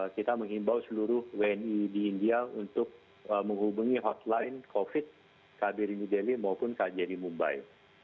kita mengimbau seluruh wni di india untuk menghubungi hotline covid sembilan belas kb new delhi maupun kj di mumbai